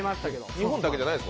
日本だけじゃないです。